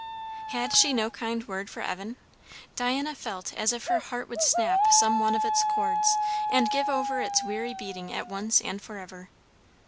Had she no kind word for Evan? Diana felt as if her heart would snap some one of its cords, and give over its weary beating at once and for ever.